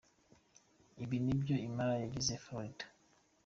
ibi nivyo Irma yagize i Florida.